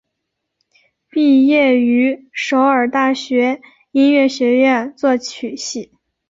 毕业于首尔大学音乐学院作曲系。